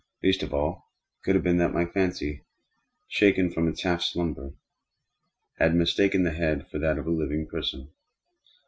Least of all, could it have been that my fancy, shaken from its half slumber, had mistaken the head for that of a living person.